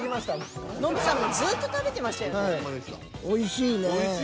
おいしいね。